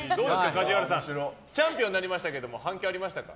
梶原さんチャンピオンになりましたけど反響はありましたか。